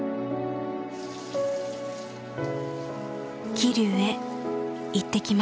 「希龍へ行ってきます。